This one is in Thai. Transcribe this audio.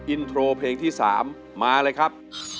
อินโทรเพลงที่๓มาเลยครับ